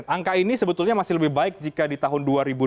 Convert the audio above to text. angka ini sebetulnya masih lebih baik jika di tahun dua ribu dua puluh